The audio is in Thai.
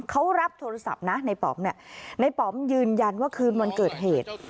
เขารับโทรศัพท์นะนายปำเนี้ยนายปำยืนยันว่าคืนวันเกิดเหตุ